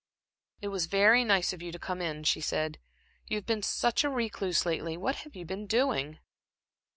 "It was very nice of you to come in," she said. "You have been such a recluse lately. What have you been doing?"